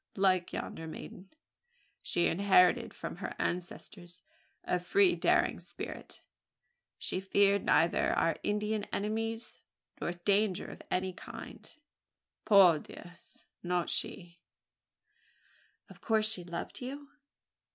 Like yonder maiden, she inherited from her ancestors a free daring spirit. She feared neither our Indian enemies, nor danger of any kind Por Dios! Not she." "Of course she loved you?"